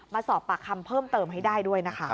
มาสอบปากคำเพิ่มเติมให้ได้ด้วยนะคะ